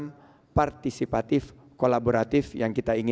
mitra hilal ini memiliki dunia amplo dengan dua puluh hawaii pola berkont turbulensi